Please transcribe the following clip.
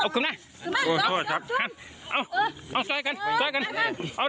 ทราบเอาซอยขึ้นซอยขึ้น